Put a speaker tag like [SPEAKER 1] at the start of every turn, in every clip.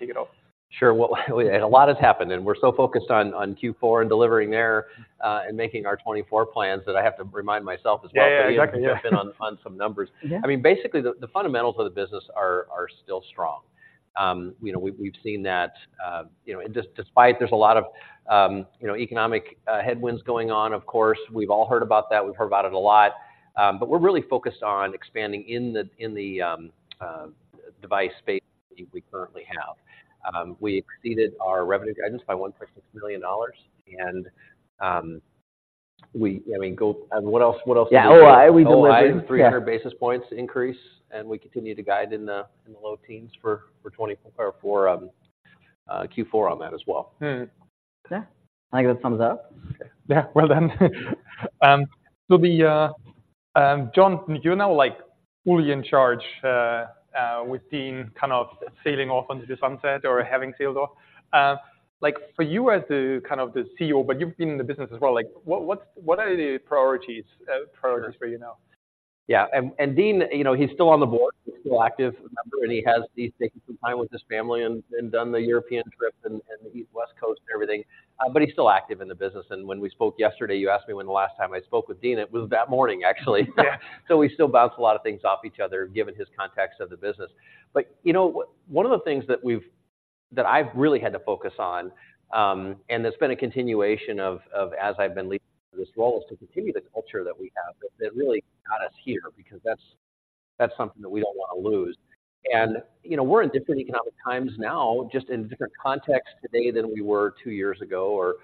[SPEAKER 1] You kick it off?
[SPEAKER 2] Sure. Well, and a lot has happened, and we're so focused on Q4 and delivering there, and making our 2024 plans, that I have to remind myself as well-
[SPEAKER 1] Yeah, yeah, exactly.
[SPEAKER 2] to jump in on some numbers.
[SPEAKER 3] Yeah.
[SPEAKER 2] I mean, basically, the fundamentals of the business are still strong. You know, we've seen that, you know, and just despite there's a lot of you know economic headwinds going on, of course. We've all heard about that. We've heard about it a lot, but we're really focused on expanding in the device space we currently have. We exceeded our revenue guidance by $1.6 million, and, we, I mean, and what else, what else-
[SPEAKER 3] Yeah, OI, we delivered.
[SPEAKER 2] OI 300 basis points increase, and we continue to guide in the low teens for 2024 or for Q4 on that as well.
[SPEAKER 3] Mm-hmm. Yeah, I give a thumbs up.
[SPEAKER 1] Yeah, well done. So, John, you're now, like, fully in charge with Dean kind of sailing off into the sunset or having sailed off. Like, for you as the kind of the CEO, but you've been in the business as well, like, what are the priorities for you now?
[SPEAKER 2] Yeah, and Dean, you know, he's still on the board. He's still active, and he's taking some time with his family and done the European trip and the East Coast, West Coast and everything. But he's still active in the business, and when we spoke yesterday, you asked me when the last time I spoke with Dean. It was that morning, actually. So we still bounce a lot of things off each other, given his context of the business. But, you know, one of the things that we've, that I've really had to focus on, and that's been a continuation of as I've been leading this role, is to continue the culture that we have, that really got us here, because that's something that we don't want to lose. You know, we're in different economic times now, just in a different context today than we were two years ago or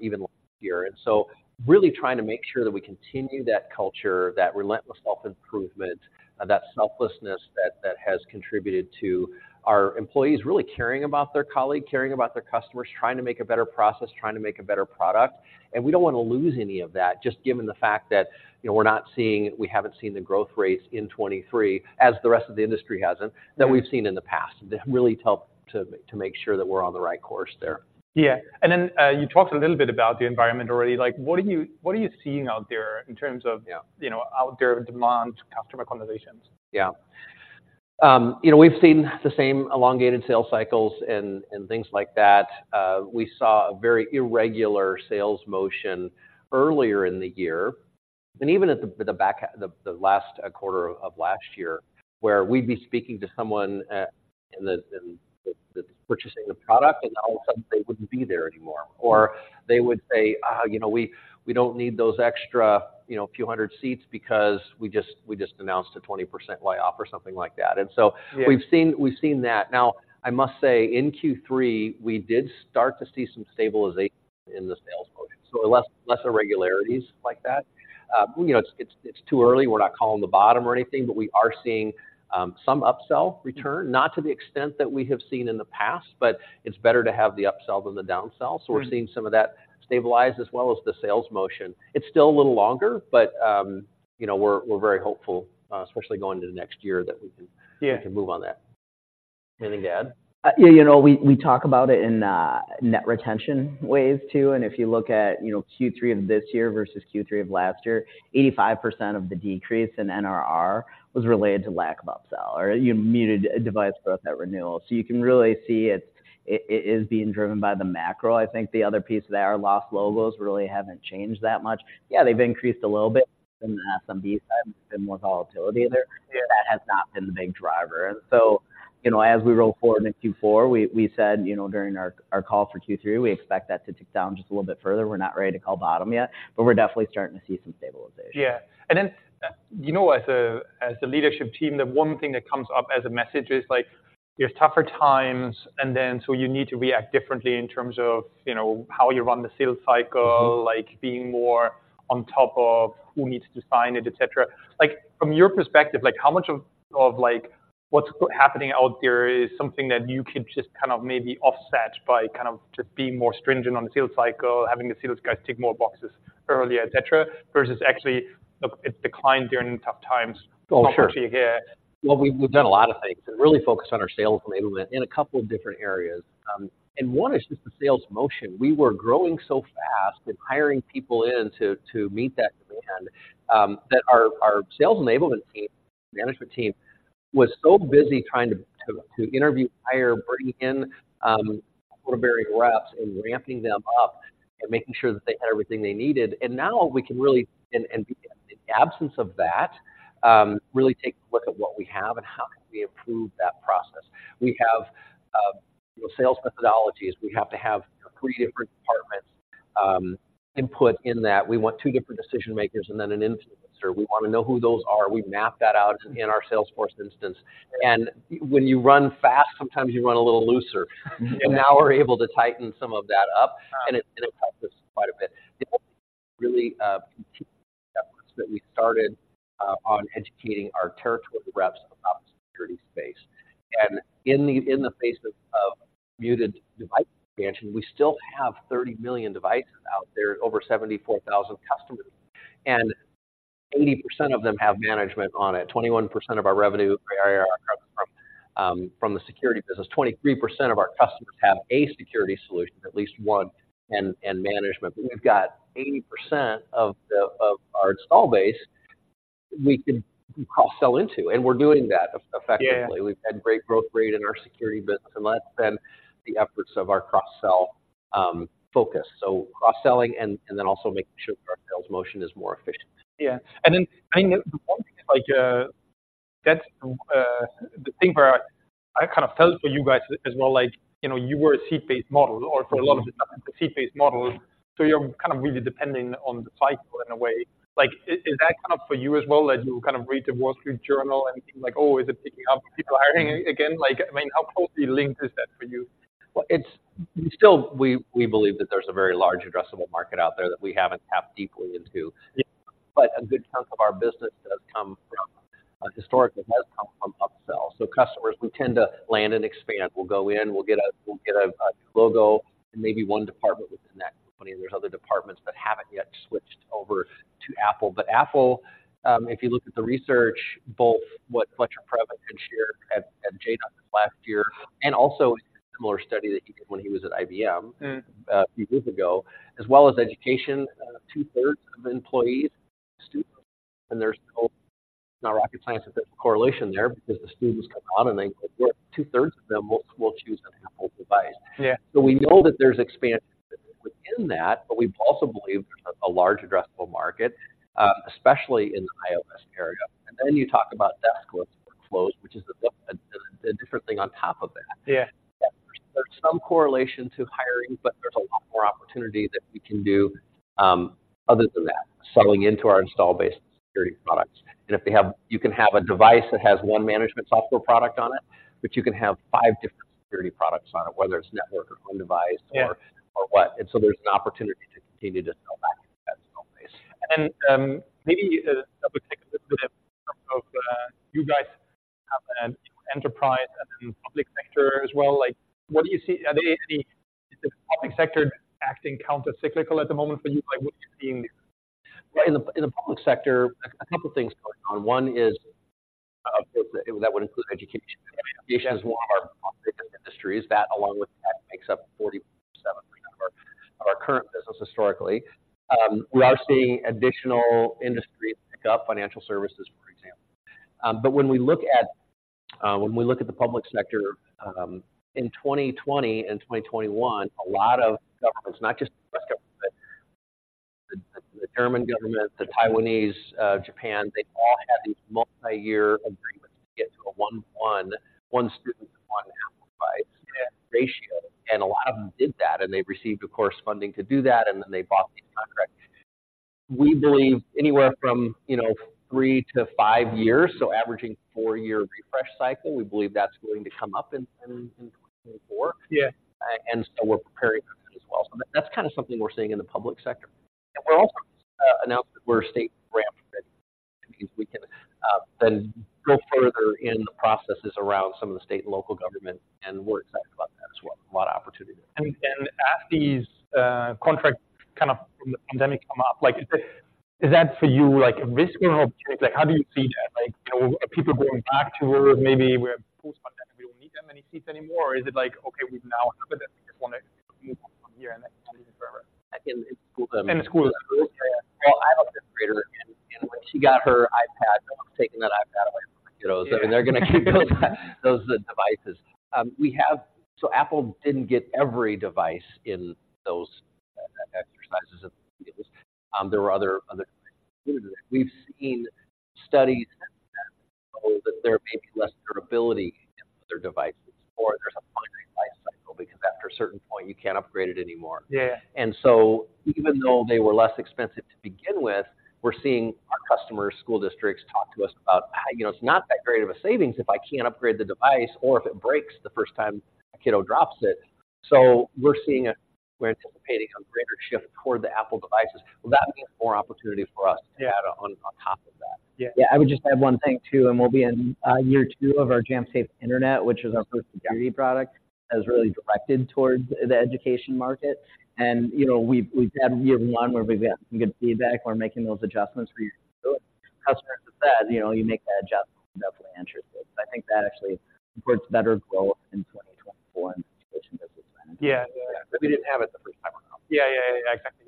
[SPEAKER 2] even last year. So really trying to make sure that we continue that culture, that relentless self-improvement, that selflessness, that has contributed to our employees really caring about their colleague, caring about their customers, trying to make a better process, trying to make a better product. And we don't want to lose any of that, just given the fact that, you know, we're not seeing—we haven't seen the growth rates in 2023, as the rest of the industry hasn't, that we've seen in the past. That really to help to make sure that we're on the right course there.
[SPEAKER 1] Yeah. And then, you talked a little bit about the environment already. Like, what are you, what are you seeing out there in terms of-
[SPEAKER 2] Yeah....
[SPEAKER 1] you know, out there, demand, customer conversations?
[SPEAKER 2] Yeah. You know, we've seen the same elongated sales cycles and things like that. We saw a very irregular sales motion earlier in the year, and even at the back of the last quarter of last year, where we'd be speaking to someone in the that's purchasing the product, and all of a sudden they wouldn't be there anymore. Or they would say, "You know, we don't need those extra, you know, few hundred seats because we just announced a 20% layoff," or something like that. And so-
[SPEAKER 1] Yeah....
[SPEAKER 2] we've seen, we've seen that. Now, I must say, in Q3, we did start to see some stabilization in the sales motion, so less, less irregularities like that. You know, it's, it's, it's too early. We're not calling the bottom or anything, but we are seeing some upsell return, not to the extent that we have seen in the past, but it's better to have the upsell than the downsell.
[SPEAKER 1] Mm-hmm.
[SPEAKER 2] So we're seeing some of that stabilize as well as the sales motion. It's still a little longer, but, you know, we're very hopeful, especially going to the next year, that we can-
[SPEAKER 1] Yeah....
[SPEAKER 2] we can move on that. Anything to add?
[SPEAKER 3] You know, we talk about it in net retention ways, too. If you look at, you know, Q3 of this year versus Q3 of last year, 85% of the decrease in NRR was related to lack of upsell or muted device growth at renewal. You can really see it, it is being driven by the macro. I think the other piece of that, our lost logos really haven't changed that much. Yeah, they've increased a little bit in the SMB side, been more volatility there.
[SPEAKER 1] Yeah.
[SPEAKER 3] That has not been the big driver. So, you know, as we roll forward into Q4, we said, you know, during our call for Q3, we expect that to tick down just a little bit further. We're not ready to call bottom yet, but we're definitely starting to see some stabilization.
[SPEAKER 1] Yeah. And then, you know, as the leadership team, the one thing that comes up as a message is, like, there's tougher times, and then so you need to react differently in terms of, you know, how you run the sales cycle-
[SPEAKER 3] Mm-hmm....
[SPEAKER 1] like, being more on top of who needs to sign it, et cetera. Like, from your perspective, like, how much of, like, what's happening out there is something that you could just kind of maybe offset by kind of just being more stringent on the sales cycle, having the sales guys tick more boxes earlier, et cetera, versus actually it's declined during tough times?
[SPEAKER 2] Oh, sure.
[SPEAKER 1] What do you hear?
[SPEAKER 2] Well, we've done a lot of things and really focused on our sales enablement in a couple of different areas. And one is just the sales motion. We were growing so fast and hiring people in to meet that demand, that our sales enablement team, management team, was so busy trying to interview, hire, bring in quota reps and ramping them up and making sure that they had everything they needed. And now we can really, in the absence of that, really take a look at what we have and how can we improve that process. We have sales methodologies. We have to have three different departments input in that. We want two different decision makers and then an influencer. We want to know who those are. We map that out in our Salesforce instance. When you run fast, sometimes you run a little looser.
[SPEAKER 1] Mm-hmm.
[SPEAKER 2] Now we're able to tighten some of that up, and it helps us quite a bit. It really continued the efforts that we started on educating our territory reps about the security space. And in the face of muted device expansion, we still have 30 million devices out there, over 74,000 customers, and 80% of them have management on it. 21% of our revenue from the security business, 23% of our customers have a security solution, at least one, and management. But we've got 80% of our install base we can cross-sell into, and we're doing that effectively.
[SPEAKER 1] Yeah.
[SPEAKER 2] We've had great growth rate in our security business, and that's been the efforts of our cross-sell focus. So cross-selling and then also making sure that our sales motion is more efficient.
[SPEAKER 1] Yeah. And then, I mean, the one thing is like, that's the thing where I kind of tell it for you guys as well, like, you know, you were a seat-based model, or for a lot of the time a seat-based model. So you're kind of really depending on the cycle in a way. Like, is that kind of for you as well, as you kind of read the Wall Street Journal and think like, "Oh, is it picking up? Are people hiring again?" Like, I mean, how closely linked is that for you?
[SPEAKER 2] Well, we still believe that there's a very large addressable market out there that we haven't tapped deeply into.
[SPEAKER 1] Yeah.
[SPEAKER 2] But a good chunk of our business does come from, historically has come from upsells. So customers, we tend to land and expand. We'll go in, we'll get a logo and maybe one department within that company, and there's other departments that haven't yet switched over to Apple. But Apple, if you look at the research, both what Fletcher Previn had shared at JNUC last year, and also a similar study that he did when he was at IBM-
[SPEAKER 1] Mm.
[SPEAKER 2] A few years ago, as well as education, two-thirds of employees, students, and there's no rocket science with the correlation there because the students come on and they work. Two-thirds of them will choose an Apple device.
[SPEAKER 1] Yeah.
[SPEAKER 2] We know that there's expansion within that, but we also believe there's a large addressable market, especially in the iOS area. And then you talk about deskless workflows, which is a different thing on top of that.
[SPEAKER 1] Yeah.
[SPEAKER 2] There's some correlation to hiring, but there's a lot more opportunity that we can do, other than that, selling into our installed base security products. And if they have- you can have a device that has 1 management software product on it, but you can have 5 different security products on it, whether it's network or on device.
[SPEAKER 1] Yeah
[SPEAKER 2] And so there's an opportunity to continue to sell back into that installed base.
[SPEAKER 1] Maybe I would take a look at if you guys have an enterprise and then public sector as well. Like, what do you see? Are there any, is the public sector acting countercyclical at the moment for you? Like, what are you seeing there?
[SPEAKER 2] Well, in the public sector, a couple of things going on. One is, that would include education.
[SPEAKER 1] Yeah.
[SPEAKER 2] Education is one of our industries, that along with tech, makes up 47% of our current business historically. We are seeing additional industries pick up, financial services, for example. But when we look at the public sector, in 2020 and 2021, a lot of governments, not just the U.S. government, but the German government, the Taiwanese, Japan, they all had these multi-year agreements to get to a one-to-one, one student, one Apple device ratio. And a lot of them did that, and they received, of course, funding to do that, and then they bought the contract. We believe anywhere from, you know, 3-5 years, so averaging four-year refresh cycle, we believe that's going to come up in 2024.
[SPEAKER 1] Yeah.
[SPEAKER 2] And so we're preparing for that as well. So that's kind of something we're seeing in the public sector. And we're also announced that we're StateRAMP, which means we can then go further in the processes around some of the state and local government, and we're excited about that as well. A lot of opportunity.
[SPEAKER 1] And as these contracts kind of from the pandemic come up, like, is that for you, like, a risk or opportunity? Like, how do you see that? Like, you know, are people going back to where maybe we're post-pandemic, we don't need that many seats anymore? Or is it like, okay, we've now recovered it, we just want to move on from here and forever.
[SPEAKER 2] I think in school-
[SPEAKER 1] In school.
[SPEAKER 2] Yeah. Well, I have a fifth grader, and when she got her iPad, I'm not taking that iPad away from the kiddos.
[SPEAKER 1] Yeah.
[SPEAKER 2] I mean, they're going to keep those devices. So Apple didn't get every device in those exercises. There were other. We've seen studies that there may be less durability in other devices, or there's a longer life cycle because after a certain point, you can't upgrade it anymore.
[SPEAKER 1] Yeah.
[SPEAKER 2] And so even though they were less expensive to begin with, we're seeing our customers, school districts, talk to us about how, you know, it's not that great of a savings if I can't upgrade the device or if it breaks the first time a kiddo drops it. So we're seeing a greater shift toward the Apple devices. Well, that means more opportunity for us-
[SPEAKER 1] Yeah.
[SPEAKER 2] to add on, on top of that.
[SPEAKER 1] Yeah.
[SPEAKER 3] Yeah, I would just add one thing, too, and we'll be in year two of our Jamf Safe Internet, which is our first security product, that is really directed towards the education market. And, you know, we've had year one where we've got some good feedback. We're making those adjustments for years two. Customers have said, you know, you make that adjustment, definitely interested. I think that actually puts better growth in 2024 in this business.
[SPEAKER 1] Yeah.
[SPEAKER 3] Yeah.
[SPEAKER 2] We didn't have it the first time around.
[SPEAKER 1] Yeah, yeah, yeah, exactly.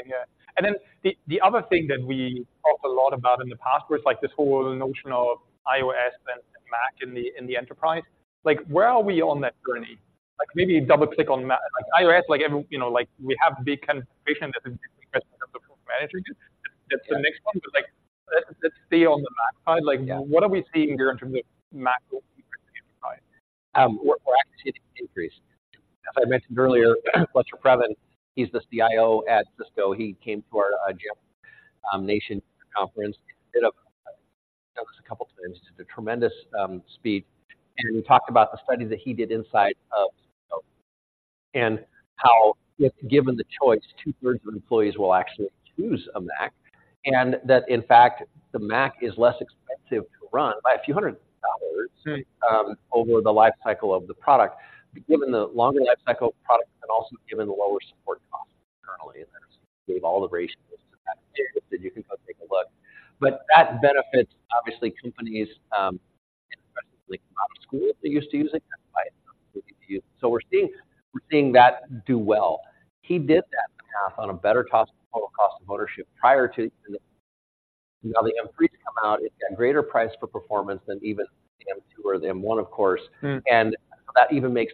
[SPEAKER 1] Yeah. And then the other thing that we talked a lot about in the past was like this whole notion of iOS and Mac in the enterprise. Like, where are we on that journey? Like, maybe double click on Mac. Like, iOS, like, you know, like we have big confirmation that the manager, it's the next one.
[SPEAKER 3] Yeah.
[SPEAKER 1] Like, let's, let's stay on the Mac.
[SPEAKER 3] Yeah.
[SPEAKER 1] Like, what are we seeing here in terms of Mac enterprise?
[SPEAKER 2] We're actually seeing increase. As I mentioned earlier, Fletcher Previn, he's the CIO at Cisco. He came to our Jamf Nation conference a couple times, did a tremendous speech, and he talked about the study that he did inside of Cisco, and how if given the choice, two-thirds of employees will actually choose a Mac, and that, in fact, the Mac is less expensive to run by a few hundred dollars.
[SPEAKER 1] Mm-hmm....
[SPEAKER 2] over the life cycle of the product. Given the longer life cycle of the product, and also given the lower support costs internally, and gave all the ratios to that. You can go take a look. But that benefits, obviously, companies, like a lot of schools that used to use it.... So we're seeing, we're seeing that do well. He did that math on a better cost, total cost of ownership prior to. Now, the M3's come out, it's got greater price for performance than even the M2 or the M1, of course.
[SPEAKER 1] Mm.
[SPEAKER 2] That even makes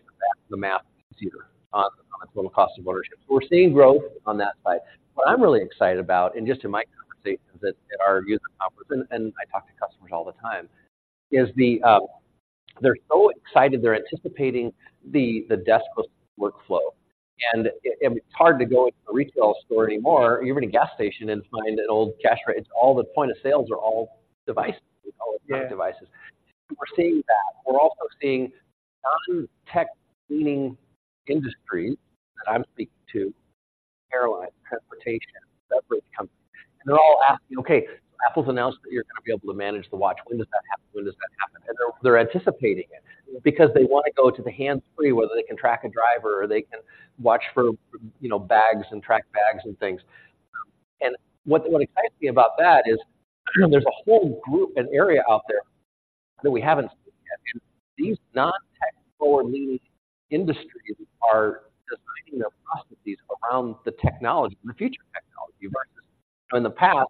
[SPEAKER 2] the math easier on total cost of ownership. So we're seeing growth on that side. What I'm really excited about, and just in my conversations with our user customers, and I talk to customers all the time, is they're so excited, they're anticipating the deskless workflow. And it's hard to go into a retail store anymore or even a gas station, and find an old cash register. It's all the point-of-sales are all devices. We call it devices.
[SPEAKER 1] Yeah.
[SPEAKER 2] We're seeing that. We're also seeing non-tech leading industries that I'm speaking to, airline, transportation, delivery companies, and they're all asking, "Okay, Apple's announced that you're gonna be able to manage the watch. When does that happen? When does that happen?" And they're, they're anticipating it because they wanna go to the hands-free, whether they can track a driver, or they can watch for, you know, bags and track bags and things. And what, what excites me about that is there's a whole group and area out there that we haven't seen yet. These non-tech forward-leaning industries are designing their processes around the technology, the future technology, versus in the past,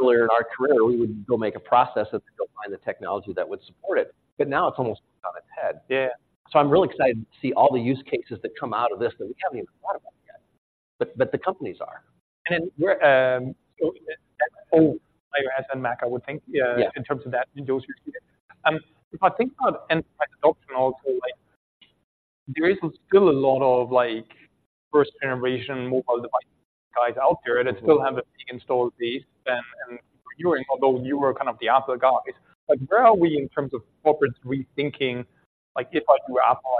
[SPEAKER 2] earlier in our career, we would go make a process and then go find the technology that would support it, but now it's almost on its head.
[SPEAKER 1] Yeah.
[SPEAKER 2] So I'm really excited to see all the use cases that come out of this, that we haven't even thought about yet. But the companies are.
[SPEAKER 1] We're so, and Mac, I would think-
[SPEAKER 2] Yeah.
[SPEAKER 1] Yeah, in terms of that end user. If I think about end adoption also, like, there is still a lot of, like, first-generation mobile device guys out there that still haven't been installed these. And, and you, although you were kind of the Apple guys, like, where are we in terms of corporate rethinking? Like, if I do Apple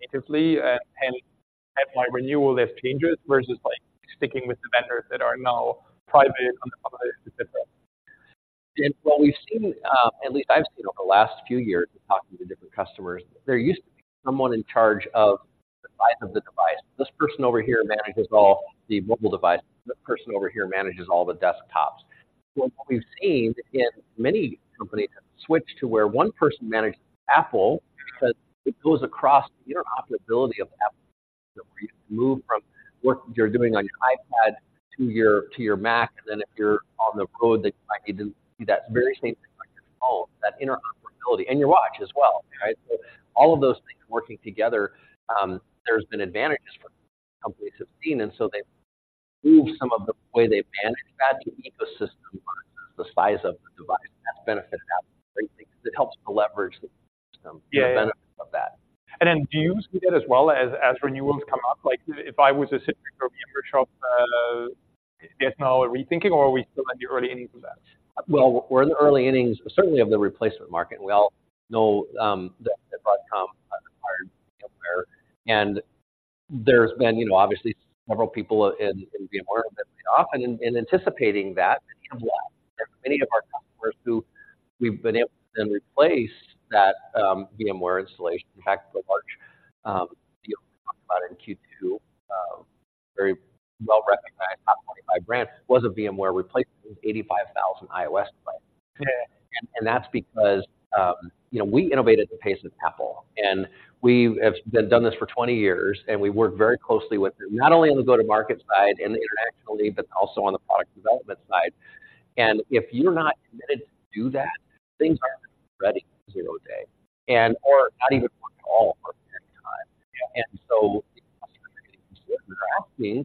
[SPEAKER 1] natively, and have my renewal, there's changes, versus, like, sticking with the vendors that are now private, on the public, et cetera.
[SPEAKER 2] What we've seen, at least I've seen over the last few years, talking to different customers, there used to be someone in charge of the life of the device. This person over here manages all the mobile devices, the person over here manages all the desktops. So what we've seen in many companies have switched to where one person manages Apple, because it goes across the interoperability of Apple, where you can move from what you're doing on your iPad to your Mac, and then if you're on the road, then you might need to do that very same thing on your phone, that interoperability, and your watch as well, right? So all of those things working together, there's been advantages for companies have seen, and so they've moved some of the way they've managed that ecosystem, the size of the device. That's benefited Apple greatly because it helps to leverage the system-
[SPEAKER 1] Yeah.
[SPEAKER 2] and the benefits of that.
[SPEAKER 1] Then, do you see that as well as renewals come up? Like, if I was a citizen or member of, there's now a rethinking, or are we still in the early innings of that?
[SPEAKER 2] Well, we're in the early innings, certainly of the replacement market. We all know that Broadcom acquired VMware, and there's been, you know, obviously several people in VMware that laid off. And in anticipating that, many of our customers who we've been able to then replace that VMware installation. In fact, the large deal we talked about in Q2, very well-recognized top 25 brand, was a VMware replacement with 85,000 iOS clients.
[SPEAKER 1] Yeah.
[SPEAKER 2] And that's because, you know, we innovate at the pace of Apple, and we have done this for 20 years, and we work very closely with them, not only on the go-to-market side and internationally, but also on the product development side. And if you're not committed to do that, things are ready zero-day and, or not even work at all over time.
[SPEAKER 1] Yeah.
[SPEAKER 2] And so, asking,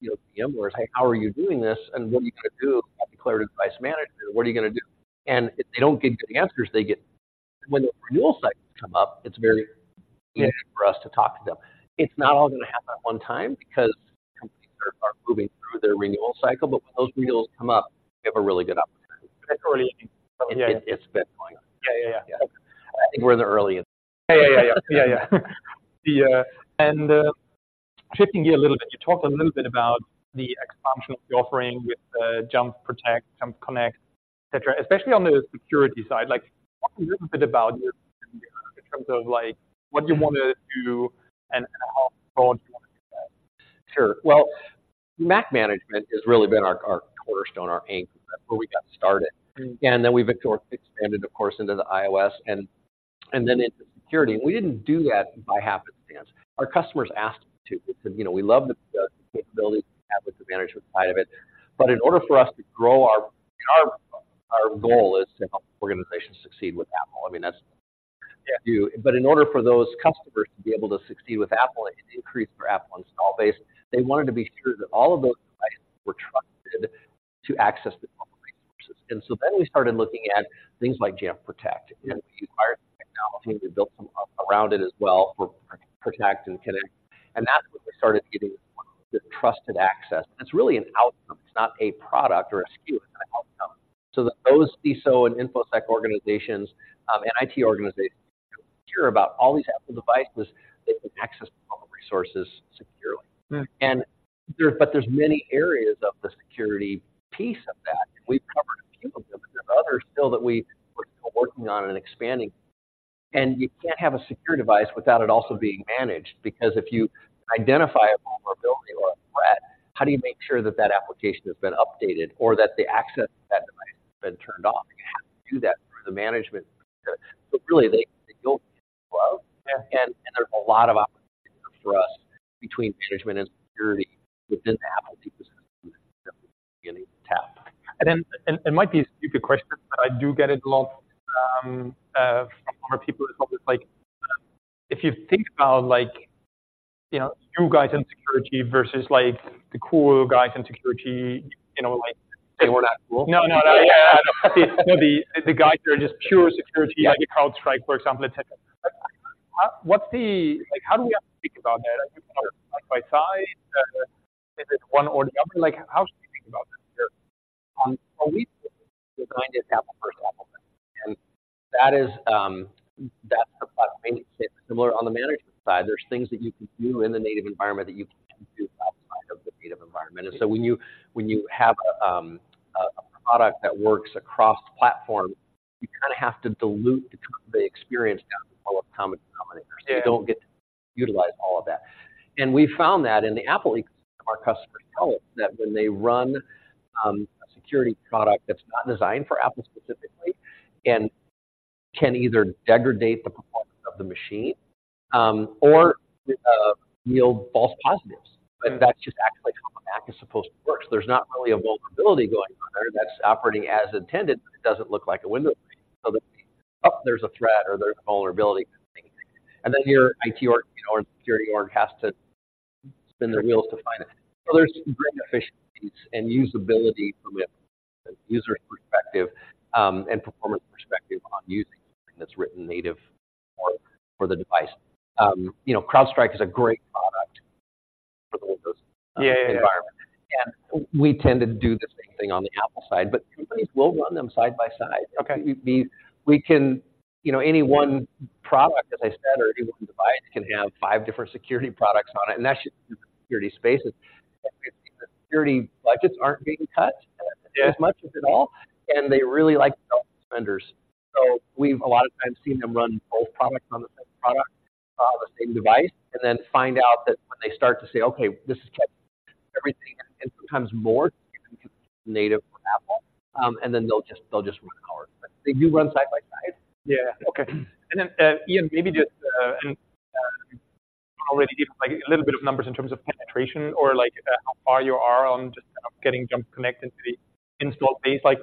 [SPEAKER 2] you know, VMware, "Hey, how are you doing this? And what are you gonna do as a declarative device manager, what are you gonna do?" And if they don't get good answers, they get... When the renewal cycles come up, it's very easy for us to talk to them. It's not all gonna happen at one time, because companies are moving through their renewal cycle, but when those renewals come up, we have a really good opportunity.
[SPEAKER 1] It's early. Yeah.
[SPEAKER 2] It's been going on.
[SPEAKER 1] Yeah, yeah, yeah.
[SPEAKER 2] I think we're in the early innings.
[SPEAKER 1] Yeah, yeah, yeah. Yeah, yeah. Yeah, and, shifting gear a little bit, you talked a little bit about the expansion of the offering with, Jamf Protect, Jamf Connect, et cetera. Especially on the security side, like, talk a little bit about your in terms of like, what you want to do and how far do you want to do that?
[SPEAKER 2] Sure. Well, Mac management has really been our cornerstone, our anchor, where we got started.
[SPEAKER 1] Mm.
[SPEAKER 2] Then we've expanded, of course, into iOS and then into security. We didn't do that by happenstance. Our customers asked us to. They said, "You know, we love the capabilities we have with the management side of it, but in order for us to grow our goal is to help organizations succeed with Apple." I mean, that's-
[SPEAKER 1] Yeah....
[SPEAKER 2] But in order for those customers to be able to succeed with Apple and increase their Apple install base, they wanted to be sure that all of those devices were trusted to access the public resources. And so then we started looking at things like Jamf Protect, and we acquired the technology, we built some around it as well for Protect and Connect, and that's when we started getting the Trusted Access. And it's really an outcome. It's not a product or a SKU. So those CISO and InfoSec organizations, and IT organizations care about all these Apple devices, they can access public resources securely.
[SPEAKER 1] Mm.
[SPEAKER 2] But there's many areas of the security piece of that, and we've covered a few of them, but there are others still that we were still working on and expanding. You can't have a secure device without it also being managed, because if you identify a vulnerability... How do you make sure that that application has been updated, or that the access to that device has been turned off? You have to do that through the management. So really, the yield of and there's a lot of opportunities there for us between management and security within the Apple ecosystem, beginning to tap.
[SPEAKER 1] And then it might be a stupid question, but I do get it a lot from our people as well. It's like, if you think about, like, you know, you guys in security versus, like, the cool guys in security, you know, like-
[SPEAKER 2] Say we're not cool?
[SPEAKER 1] No, no, no. Yeah, no, the guys who are just pure security, like CrowdStrike, for example, et cetera. What's the like, how do we have to think about that? Like, side by side, is it one or the other? Like, how should we think about this?
[SPEAKER 2] Well, we designed it to happen, first of all, and that is, that's the product. Similar on the management side, there's things that you can do in the native environment that you can't do outside of the native environment. And so when you have a product that works across platforms, you kind of have to dilute the experience down to the lowest common denominator.
[SPEAKER 1] Yeah.
[SPEAKER 2] You don't get to utilize all of that. We found that in the Apple ecosystem, our customers tell us that when they run a security product that's not designed for Apple specifically, and can either degrade the performance of the machine, or yield false positives.
[SPEAKER 1] Yeah.
[SPEAKER 2] That's just actually how Mac is supposed to work. There's not really a vulnerability going on there that's operating as intended, but it doesn't look like a Windows machine. So there's a threat, or there's a vulnerability kind of thing. Then your IT org, you know, or security org has to spin their wheels to find it. So there's some great efficiencies and usability from a user perspective, and performance perspective on using something that's written native for the device. You know, CrowdStrike is a great product for the Windows-
[SPEAKER 1] Yeah, yeah....
[SPEAKER 2] environment, and we tend to do the same thing on the Apple side, but companies will run them side by side.
[SPEAKER 1] Okay.
[SPEAKER 2] We can, you know, any one product, as I said, or any one device can have 5 different security products on it, and that's just security spaces. The security budgets aren't being cut-
[SPEAKER 1] Yeah....
[SPEAKER 2] as much, if at all, and they really like vendors. So we've a lot of times seen them run both products on the same product, the same device, and then find out that when they start to say, "Okay, this is catching everything," and sometimes more native on Apple, and then they'll just, they'll just run our. They do run side by side.
[SPEAKER 1] Yeah. Okay. And then, Ian, maybe just give, like, a little bit of numbers in terms of penetration or, like, how far you are on just kind of getting Jamf Connect into the install base. Like,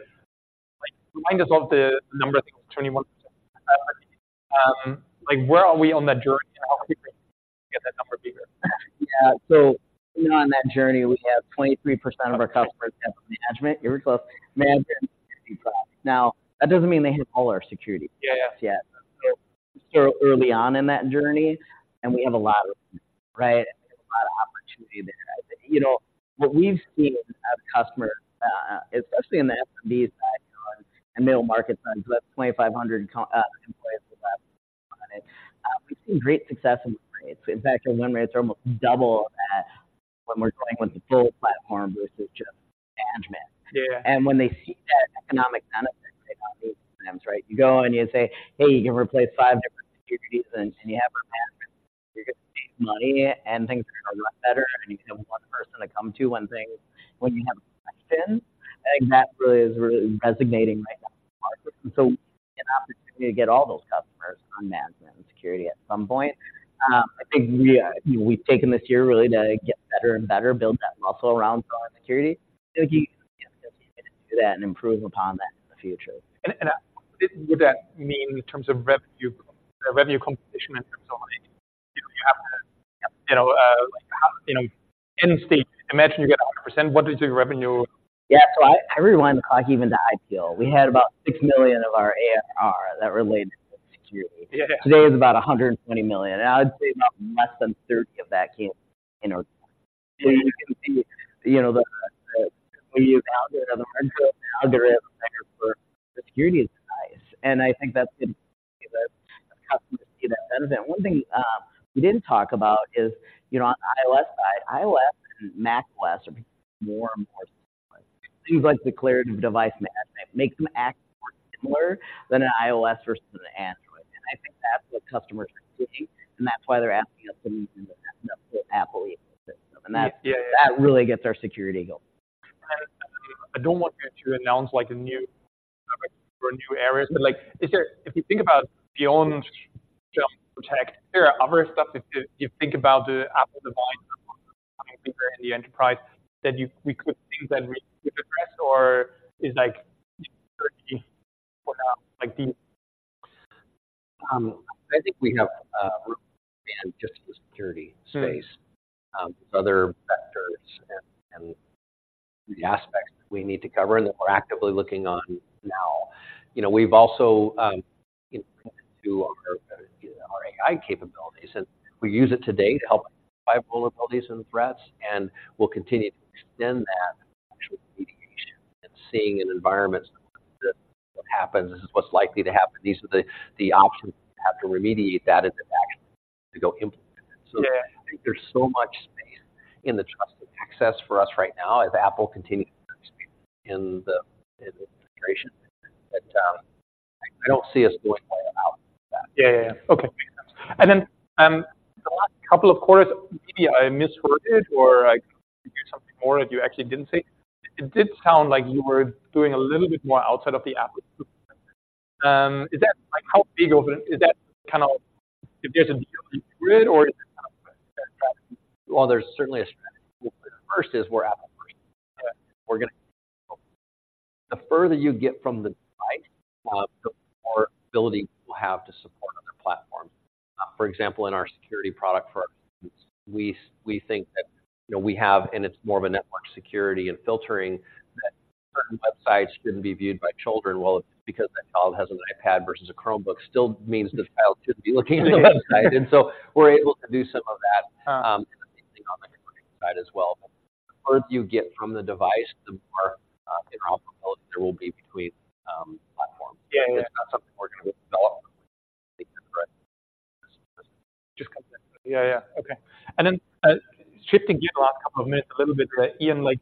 [SPEAKER 1] remind us of the number, I think, 21. Like, where are we on that journey, and how are we going to get that number bigger?
[SPEAKER 3] Yeah. So on that journey, we have 23% of our customers have management. You were close. Management. Now, that doesn't mean they hit all our security-
[SPEAKER 1] Yeah....
[SPEAKER 3] yet. So, so early on in that journey, and we have a lot of them, right? And there's a lot of opportunity there. You know, what we've seen as customer, especially in the SMB side on and middle market side, so that's 2,500 employees, we've seen great success in the rates. In fact, in one way, it's almost double that when we're going with the full platform versus just management.
[SPEAKER 1] Yeah.
[SPEAKER 3] When they see that economic benefit, right, on these programs, right? You go and you say, "Hey, you can replace five different securities and you have our management. You're going to save money, and things are going to run better, and you can have one person to come to when you have a question." That really is resonating right now. So we have an opportunity to get all those customers on management security at some point. I think we've taken this year really to get better and better, build that muscle around security. I think we continue to do that and improve upon that in the future.
[SPEAKER 1] Would that mean in terms of revenue, revenue composition in terms of, you know, you have to, you know, like, how, you know, end state, imagine you get 100%. What is your revenue?
[SPEAKER 3] Yeah. So I rewind the clock even to IPO. We had about $6 million of our ARR that related to security.
[SPEAKER 1] Yeah.
[SPEAKER 3] Today, it's about $120 million, and I'd say about less than $30 million of that came in our... You can see, you know, the, the, we use out there as a hardcore algorithm for security is nice, and I think that's the, the customers see that benefit. One thing, we didn't talk about is, you know, on iOS side, iOS and macOS are more and more similar. Things like the Declarative Device Management makes them act more similar than an iOS versus an Android, and I think that's what customers are seeing, and that's why they're asking us to move into the Apple ecosystem.
[SPEAKER 1] Yeah, yeah.
[SPEAKER 3] And that, that really gets our security going.
[SPEAKER 1] I don't want you to announce, like, a new or new areas, but, like, is there... If you think about beyond Jamf Protect, there are other stuff, if you think about the Apple device in the enterprise, that you—we could think that we could address or is like security for, like, the-
[SPEAKER 2] I think we have, just the security space.
[SPEAKER 1] Mm.
[SPEAKER 2] There's other vectors and the aspects that we need to cover and that we're actively looking on now. You know, we've also improved to our AI capabilities, and we use it today to help identify vulnerabilities and threats, and we'll continue to extend that actual mediation and seeing in environments that what happens, this is what's likely to happen. These are the options we have to remediate that, and then actually to go implement them.
[SPEAKER 1] Yeah.
[SPEAKER 2] I think there's so much space in the Trusted Access for us right now as Apple continues to expand in the integration... I don't see us going all out with that.
[SPEAKER 1] Yeah, yeah. Okay, makes sense. And then, the last couple of quarters, maybe I misheard it, or I could do something more that you actually didn't say. It did sound like you were doing a little bit more outside of the Apple. Is that, like, how big of an-- is that kind of, if there's a deal grid, or is it kind of a strategy?
[SPEAKER 2] Well, there's certainly a strategy. First is we're Apple, we're gonna The further you get from the device, the more ability we'll have to support on their platform. For example, in our security product for our students, we think that, you know, we have, and it's more of a network security and filtering, that certain websites shouldn't be viewed by children. Well, because that child has an iPad versus a Chromebook, still means the child shouldn't be looking at the website. And so we're able to do some of that, and the same thing on the side as well. The further you get from the device, the more interoperability there will be between platforms.
[SPEAKER 1] Yeah, yeah.
[SPEAKER 2] That's not something we're going to develop, but just-
[SPEAKER 1] Yeah, yeah. Okay. And then, shifting gears the last couple of minutes, a little bit, Ian, like,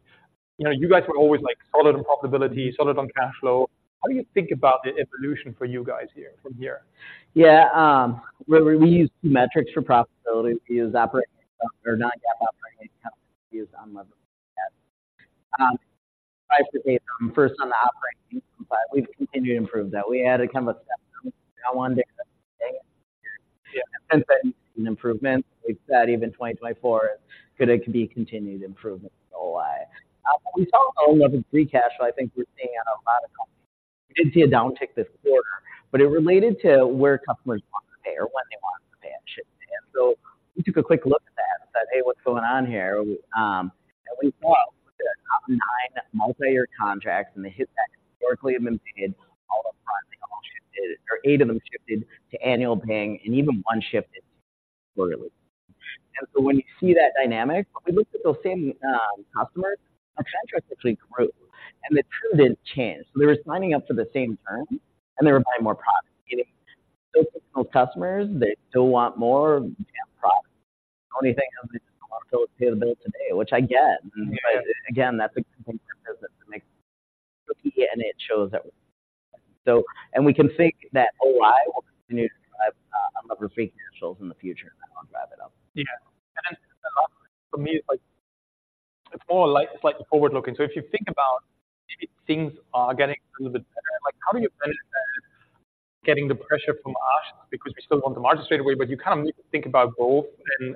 [SPEAKER 1] you know, you guys were always, like, solid on profitability, solid on cash flow. How do you think about the evolution for you guys here, from here?
[SPEAKER 3] Yeah, well, we use two metrics for profitability. We use operating income or not yet operating income. We use unlevered free cash flow. To date, first on the operating income, but we've continued to improve that. We added kind of a step function.
[SPEAKER 1] Yeah.
[SPEAKER 3] Since then, improvement, we've said even 2024 is gonna be continued improvement, so why? We saw unlevered free cash, so I think we're seeing in a lot of companies. We did see a downtick this quarter, but it related to where customers want to pay or when they want to pay and shift pay. And so we took a quick look at that and said, "Hey, what's going on here?" And we saw our top 9 multi-year contracts, and they hit that historically have been paid all up front. They all shifted, or 8 of them shifted to annual paying, and even 1 shifted quarterly. And so when you see that dynamic, we looked at those same customers, our contracts actually grew, and the term didn't change. So they were signing up for the same term, and they were buying more products, meaning those customers, they still want more products. The only thing is they just want to pay the bill today, which I get.
[SPEAKER 1] Yeah.
[SPEAKER 3] Again, that's a complete business that makes, and it shows that... So, and we can think that OI will continue to drive unlevered free cash flows in the future, and I'll wrap it up.
[SPEAKER 1] Yeah. And then for me, like, it's more like, it's like forward-looking. So if you think about maybe things are getting a little bit better, like, how do you manage that, getting the pressure from us? Because we still want the margin straightaway, but you can't think about both, and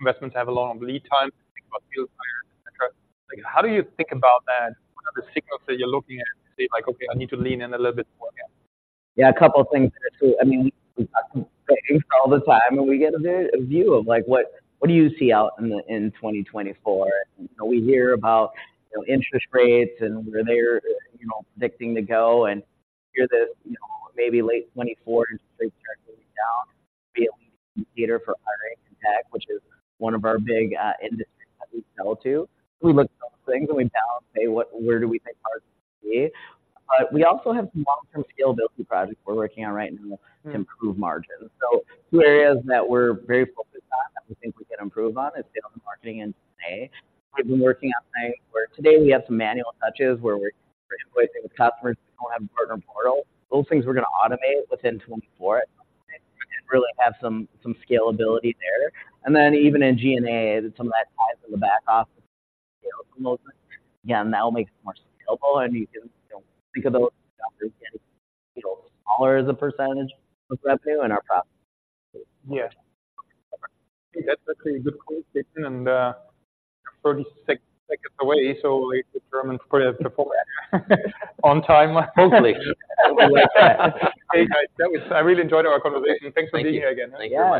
[SPEAKER 1] investment to have a long lead time, think about lead time, et cetera. Like, how do you think about that? What are the signals that you're looking at to say, like, "Okay, I need to lean in a little bit more here?
[SPEAKER 3] Yeah, a couple of things there, too. I mean, we've got all the time, and we get a bit, a view of, like, what, what do you see out in the, in 2024? You know, we hear about, you know, interest rates and where they're, you know, predicting to go, and hear this, you know, maybe late 2024, interest rates start going down. Be a leader for hiring and tech, which is one of our big industries that we sell to. We look at things, and we now say, "What, where do we think margins will be?" We also have some long-term scalability projects we're working on right now to improve margins. So two areas that we're very focused on, that we think we can improve on is sales and marketing. And today, we've been working on things where today we have some manual touches, where we're invoicing with customers who don't have a partner portal. Those things we're gonna automate within 2024, and really have some, some scalability there. And then even in G&A, some of that ties in the back office. Yeah, and that will make it more scalable, and you can, you know, think about getting, you know, smaller as a percentage of revenue and our profit.
[SPEAKER 1] Yeah. That's a good point, Ian, and, 36 seconds away, so like the Germans put it before, on time.
[SPEAKER 3] Hopefully.
[SPEAKER 1] Hey, guys, that was... I really enjoyed our conversation.
[SPEAKER 3] Thank you.
[SPEAKER 1] Thanks for being here again.
[SPEAKER 3] Yeah.